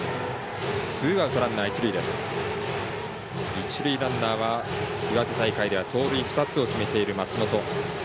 一塁ランナーは、岩手大会では盗塁２つを決めている松本。